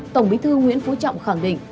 tổng bí thư nguyễn phú trọng khẳng định